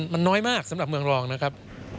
มันน้อยมากสำหรับเมืองรองนะครับ